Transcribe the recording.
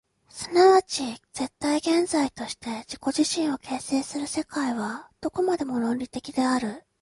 即ち絶対現在として自己自身を形成する世界は、どこまでも論理的である。